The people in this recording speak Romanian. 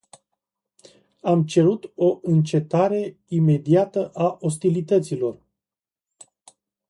Am cerut o încetare imediată a ostilităților.